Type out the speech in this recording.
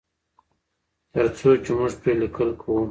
تر څو چې موږ پرې لیکل کوو.